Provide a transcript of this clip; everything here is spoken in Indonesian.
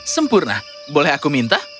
sempurna boleh aku minta